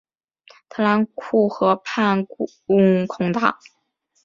特兰库河畔孔达。